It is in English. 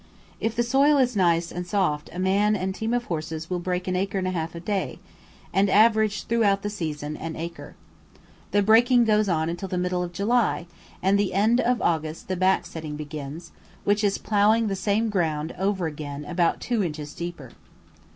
If the soil is nice and soft a man and team of horses will break an acre and a half a day, and average throughout the season an acre. The breaking goes on until the middle of July, and the end of August the "backsetting" begins, which is ploughing the same ground over again about two inches deeper.